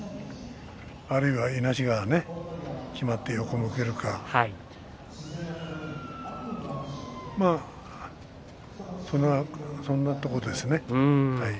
あるいは、いなしがきまって横に向けるかそんなところですね。